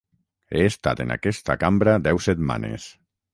He estat en aquesta cambra deu setmanes.